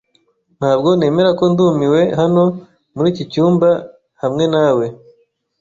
Ntabwo nemera ko ndumiwe hano muri iki cyumba hamwe nawe.